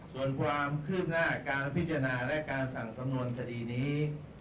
ส่วนความคืบหน้าการพิจารณาและการสั่งสำนวนคดีนี้